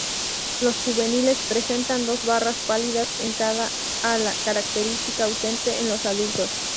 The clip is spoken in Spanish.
Los juveniles presentan dos barras pálidas en cada ala, característica ausente en los adultos.